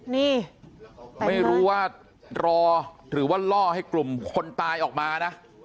นี่ไม่รู้ว่ารอหรือว่าล่อให้กลุ่มคนตายออกมานะ